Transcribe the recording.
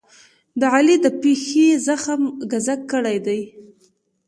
د علي د پښې زخم ګذک کړی دی.